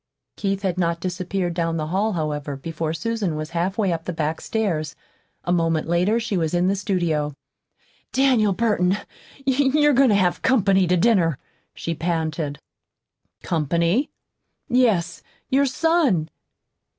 Keith had not disappeared down the hall, however, before Susan was halfway up the back stairs. A moment later she was in the studio. "Daniel Burton, you're goin' to have company to dinner," she panted. "Company?" "Yes. Your son."